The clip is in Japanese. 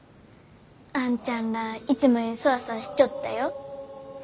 あんちゃんらあいつもよりそわそわしちょったよ。